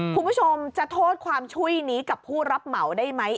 คุณผู้ชมจะโทษความช่วยนี้กับผู้รับเหมาได้ไหม